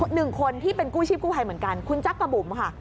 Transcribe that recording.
หนึ่งคนที่เป็นกู้ชีพกู้ภัยเหมือนกันคุณจักรบุ๋มค่ะ